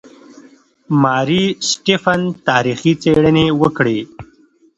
ماري سټیفن تاریخي څېړنې وکړې.